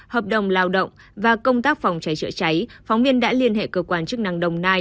hợp đồng lao động và công tác phòng cháy chữa cháy phóng viên đã liên hệ cơ quan chức năng đồng nai